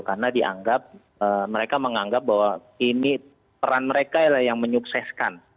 karena dianggap mereka menganggap bahwa ini peran mereka yang menyukseskan